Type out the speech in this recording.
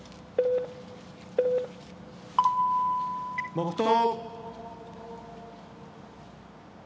黙とう。